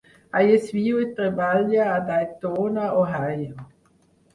Hayes viu i treballa a Dayton, Ohio.